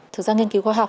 thực ra nghiên cứu khoa học